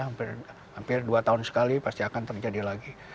hampir dua tahun sekali pasti akan terjadi lagi